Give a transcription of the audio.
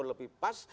atau lebih pas